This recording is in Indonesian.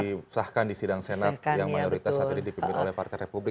diusahakan di sidang senat yang mayoritas dipimpin oleh partai republik